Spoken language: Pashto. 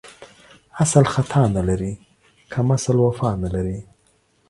اسل ختا نه لري ، کمسل وفا نه لري.